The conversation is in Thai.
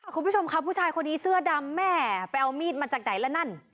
คุณผู้ชมค่ะผู้ชายคนนี้เสื้อดำแม่ไปเอามีดมาจากไหนแล้วนั่น